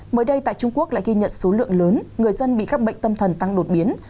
mới đây tại trung quốc lại ghi nhận số lượng lớn người dân bị các bệnh tâm thần tăng đột biến